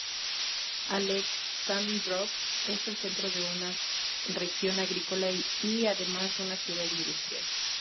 Aleksándrov es el centro de una región agrícola y además una ciudad industrial.